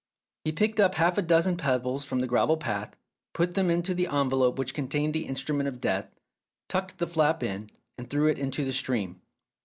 He picked up half a dozen pebbles from the gravel path, put them into the envelope which contained the instru ment of death, tucked the flap in, and threw it into the stream.